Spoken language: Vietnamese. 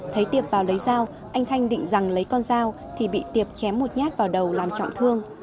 thấy tiệp vào lấy dao anh thanh định rằng lấy con dao thì bị tiệp chém một nhát vào đầu làm trọng thương